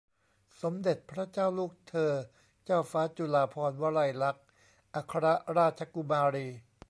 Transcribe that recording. สมเด็จพระเจ้าลูกเธอเจ้าฟ้าจุฬาภรณวลัยลักษณ์ อัครราชกุมารี